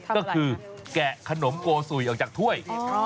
ก็คือแกะขนมโกสุยออกจากถ้วย